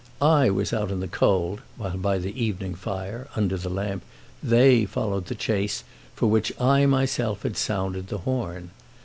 I was out in the cold while, by the evening fire, under the lamp, they followed the chase for which I myself had sounded the horn.